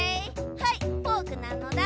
はいフォークなのだ。